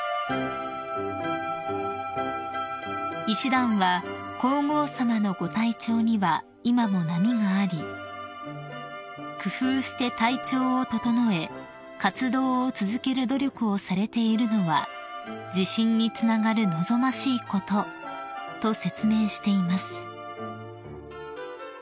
［医師団は「皇后さまのご体調には今も波があり工夫して体調を整え活動を続ける努力をされているのは自信につながる望ましいこと」と説明しています］